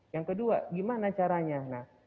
yang kedua gimana caranya